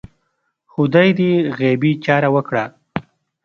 خدای دې غیبي چاره وکړه